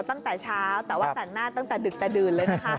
ตั้งแต่เช้าแต่ว่าแต่งหน้าตั้งแต่ดึกแต่ดื่นเลยนะคะ